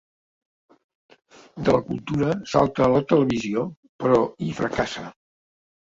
De la cultura salta a la televisió, però hi fracassa.